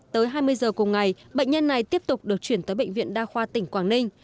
tới hai mươi giờ cùng ngày bệnh nhân này tiếp tục được chuyển tới bệnh viện đa khoa tỉnh quảng ninh